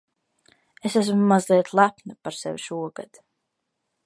Es esmu mazliet lepna par sevi šogad.